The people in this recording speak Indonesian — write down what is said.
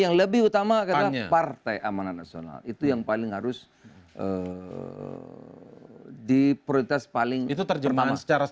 ya otomatis partainya yang harus bekerja keras